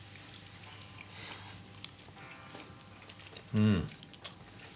うん。